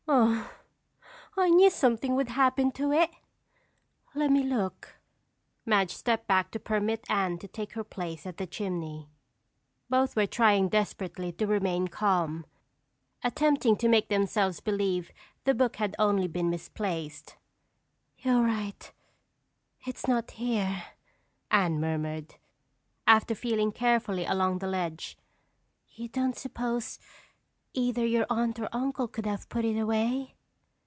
"Oh, I knew something would happen to it!" "Let me look." Madge stepped back to permit Anne to take her place at the chimney. Both were trying desperately to remain calm, attempting to make themselves believe the book had only been misplaced. "You're right, it's not here," Anne murmured, after feeling carefully along the ledge. "You don't suppose either your aunt or uncle could have put it away?"